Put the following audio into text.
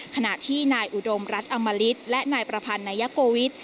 ขณะที่นายอุดมรัฐอมริตและนายประพันธ์นายโกวิท